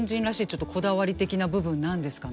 ちょっとこだわり的な部分なんですかね。